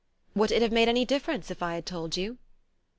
"Would it have made any difference if I had told you?"